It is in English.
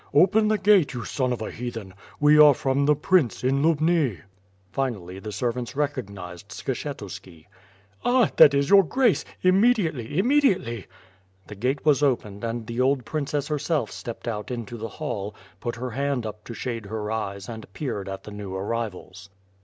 "Open the gate, you son of a heathen; we are from the Prince, in Lubni.*' Finally, the servants recognized Skshetuski. "Ah! that is your grace; immediately! immediately! The gate was opened and the old princess herself stepped out into the hall, put her hand up to shade her eyes and peered at the new arrivals.